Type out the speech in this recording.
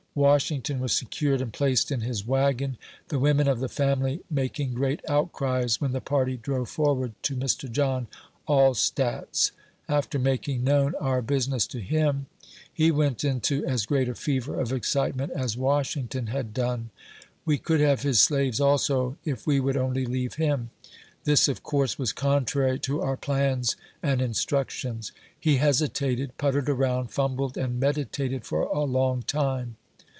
Washington was se cured and placed in his wagon, the women of the family mak ing great outcries, when the party drove forward to Mr. John Allstadt's. After making known our business to him, he went into as great a fever of excitement as Washington had done. We could have his slaves, also, if we would qnly leave him. This, of course, was contrary to our plans and instruc tions. He hesitated, puttered around, fumbled and meditated for a long time.